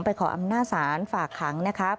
ขออำนาจศาลฝากขังนะครับ